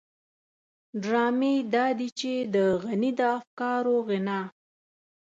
ډرامې دادي چې د غني د افکارو غنا.